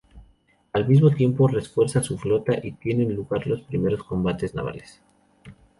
Al mismo tiempo, refuerza su flota y tienen lugar los primeros combates navales.